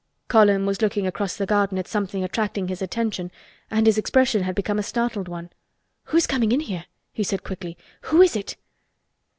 Colin was looking across the garden at something attracting his attention and his expression had become a startled one. "Who is coming in here?" he said quickly. "Who is it?"